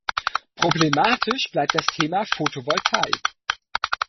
Problematisch bleibt das Thema Photovoltaik.